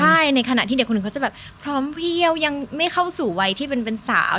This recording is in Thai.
ใช่ในขณะที่เด็กคนหนึ่งเขาจะแบบพร้อมเพี่ยวยังไม่เข้าสู่วัยที่เป็นสาว